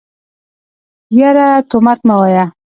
يره تومت مه وايه.